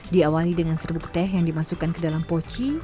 diawali dengan serbuk teh yang dimasukkan ke dalam poci